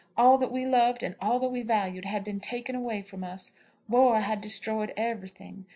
All that we loved and all that we valued had been taken away from us. War had destroyed everything.